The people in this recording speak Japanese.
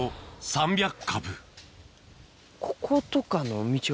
こことかの。